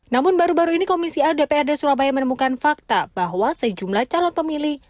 namun baru baru ini komisi a dprd surabaya menemukan fakta bahwa sejumlah calon pemilih